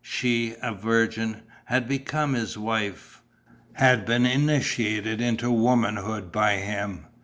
She, a virgin, had become his wife, had been initiated into womanhood by him.